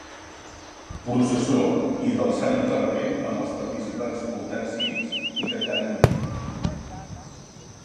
Processó i del Sant Enterrament amb els participants portant ciris i cantant en llatí.